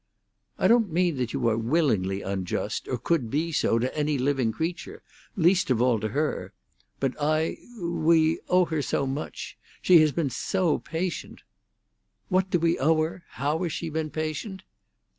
"I don't mean that you are willingly unjust, or could be so, to any living creature, least of all to her. But I—we—owe her so much; she has been so patient." "What do we owe her? How has she been patient?"